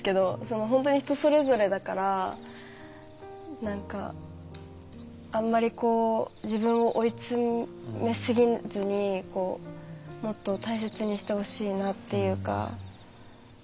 本当に人それぞれだから何かあんまりこう自分を追い詰めすぎずにもっと大切にしてほしいなっていうか思いました。